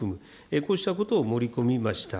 こうしたことを盛り込みました。